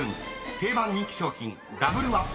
［定番人気商品］